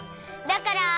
だから。